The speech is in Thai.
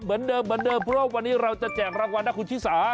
เหมือนเดิมเพราะวันนี้เราจะแจกรางวัลนะคุณชิสา